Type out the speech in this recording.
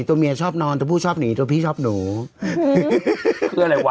ตัวเมียชอบนอนตัวผู้ชอบหนีตัวพี่ชอบหนูเพื่ออะไรวะ